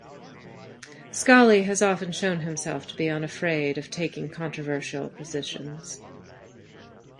Scally has often shown himself to be unafraid of taking controversial positions.